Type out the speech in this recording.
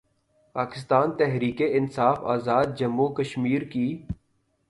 اکستان تحریک انصاف آزادجموں وکشمیر کی